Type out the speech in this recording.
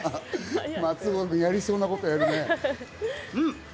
松岡君やりそうなことやるね。